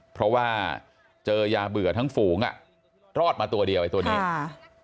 เพราะว่าเจอยาเบื่อทั้งฝูงอ่ะรอดมาตัวเดียวไอ้ตัวนี้ค่ะ